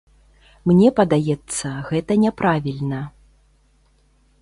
Мне падаецца, гэта няправільна.